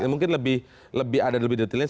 mungkin lebih ada lebih detailnya